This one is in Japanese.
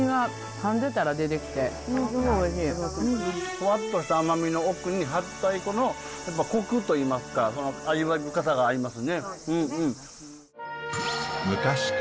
ほわっとした甘みの奥にはったい粉のコクといいますか味わい深さがありますね。